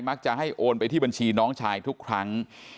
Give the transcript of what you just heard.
จะให้โอนไปที่บัญชีน้องชายทุกครั้ง